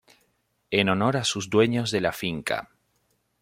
En honor a sus dueños de la finca.